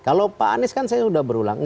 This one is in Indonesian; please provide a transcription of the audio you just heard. kalau pak anies kan saya sudah berulang